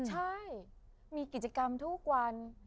ใช่มีกิจกรรมทุกวัน